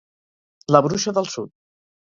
La Bruixa del Sud.